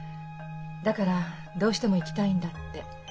「だからどうしても行きたいんだ」って。